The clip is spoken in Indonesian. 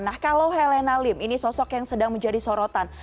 nah kalau helena lim ini sosok yang sedang menjadi sorotan